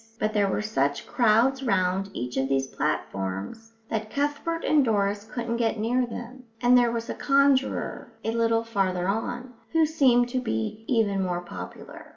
But there were such crowds round each of these platforms that Cuthbert and Doris couldn't get near them; and there was a conjurer, a little farther on, who seemed to be even more popular.